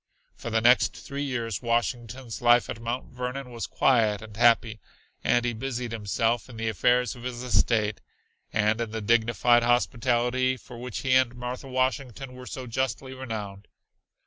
For the next three years Washington's life at Mount Vernon was quiet and happy, and he busied himself in the affairs of his estate and in the dignified hospitality for which he and Martha Washington were so justly renowned.